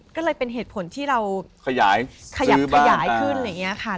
ก็เลยเป็นเหตุผลที่เราขยับขยายขึ้น